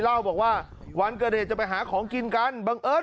เล่าบอกว่าวันเกิดเหตุจะไปหาของกินกันบังเอิญ